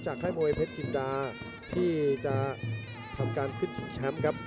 ค่ายมวยเพชรจินดาที่จะทำการขึ้นชิงแชมป์ครับ